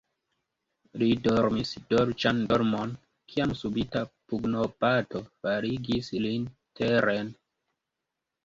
Li dormis dolĉan dormon, kiam subita pugnobato faligis lin teren.